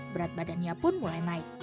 berat badannya pun mulai naik